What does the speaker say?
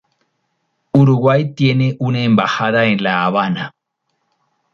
Uruguay tiene una embajada en La Habana.